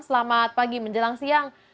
selamat pagi menjelang siang